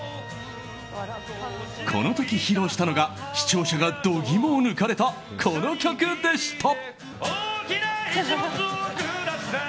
この時、披露したのが視聴者が度肝を抜かれたこの曲でした。